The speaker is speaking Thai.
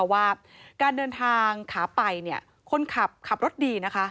ว่าการเดินทางขาไปคนขับขับรถดีนะคะ